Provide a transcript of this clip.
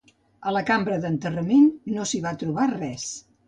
A la cambra d'enterrament, no s'hi va trobar res.